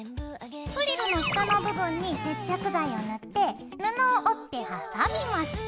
フリルの下の部分に接着剤を塗って布を折って挟みます。